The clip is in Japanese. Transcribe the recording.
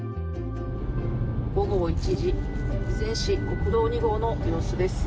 午後１時備前市、国道２号の様子です。